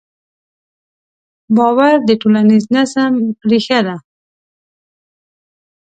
باور د ټولنیز نظم ریښه ده.